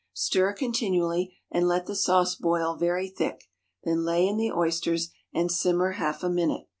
Stir continually, and let the sauce boil very thick; then lay in the oysters, and simmer half a minute.